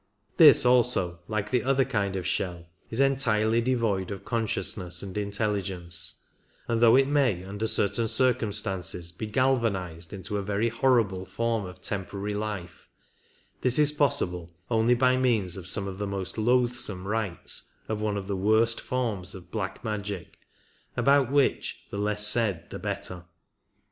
This also, like the other kind of shell, is entirely devoid of consciousness and intelligence ; and though it may under certain circumstances be galvanized into a very horrible form of temporary life, this is possible only by means of some of the most loathsome rites of one of the worst forms of black magic, about which the less said the better.